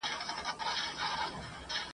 وئيل يې خو د ستورو دا ځنګل پري نه خبريږي ..